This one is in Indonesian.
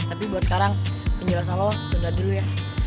tapi buat sekarang penjelasan lo udah dulu ya